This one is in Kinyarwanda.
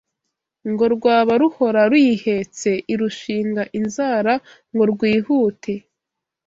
ngo rwaba ruhora ruyihetse irushinga inzara ngo rwihute